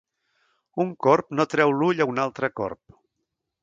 Un corb no treu l'ull a un altre corb.